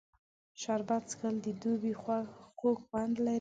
شربت څښل د دوبي خوږ خوند لري